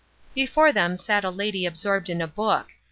Before them sat a lady absorbed in a book.